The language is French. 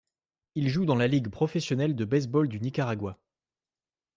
Ils jouent dans la Ligue professionnelle de baseball du Nicaragua.